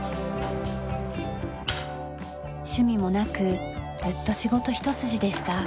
趣味もなくずっと仕事一筋でした。